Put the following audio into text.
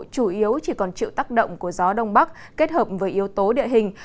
chủ yếu chỉ còn chịu tác động của gió đông bắc kết hợp với yếu tố địa hình